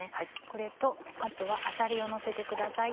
これとあさりをのせてください。